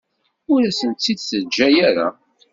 Ur asent-tt-id-teǧǧa ara.